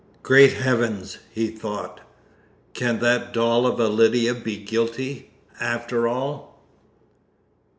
"Great heavens!" he thought, "can that doll of a Lydia be guilty, after all?"